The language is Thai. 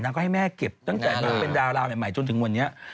ก็ให้แม่เก็บตั้งแต่นางเป็นดาราใหม่จนถึงวันนี้